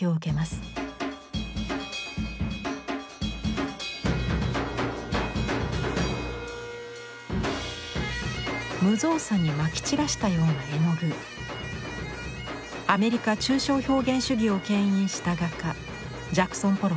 アメリカ抽象表現主義をけん引した画家ジャクソン・ポロックです。